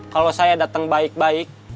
kalau saya datang baik baik